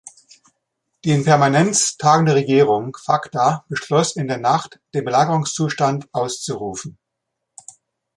Die in Permanenz tagende Regierung Facta beschloss in der Nacht, den Belagerungszustand auszurufen.